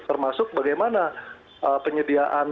termasuk bagaimana penyediaan